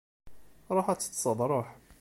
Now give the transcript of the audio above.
Ruḥ ad teṭṭseḍ, ruḥ!